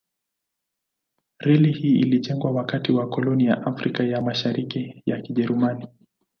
Reli hii ilijengwa wakati wa koloni ya Afrika ya Mashariki ya Kijerumani.